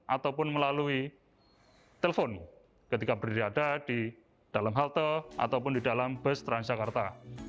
ataupun melalui telepon ketika berada di dalam halte ataupun di dalam bus transjakarta